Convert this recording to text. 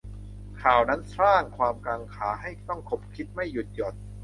ข่าวนั้นสร้างความกังขาให้ต้องขบคิดไม่หยุดหย่อน